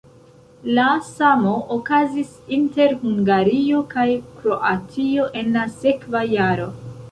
La samo okazis inter Hungario kaj Kroatio en la sekva jaro.